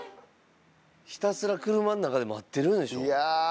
ひたすら車の中で待ってるんでしょ。